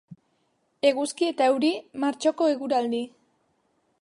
Eguzki eta euri, martxoko eguraldi.